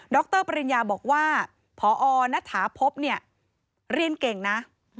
ดรปริญญาบอกว่าพอนัทฐาพบเรียนเก่งนะ